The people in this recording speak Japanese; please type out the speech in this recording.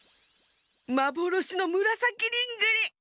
まぼろしのむらさきリングリ！